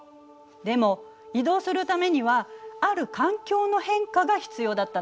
でも移動するためにはある環境の変化が必要だったの。